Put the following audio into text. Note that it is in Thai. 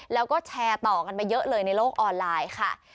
แล้วก็แชร์ต่อกันไปเยอะเลยในโลกออนไลน์ค่ะ